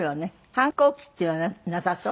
反抗期っていうのはなさそう？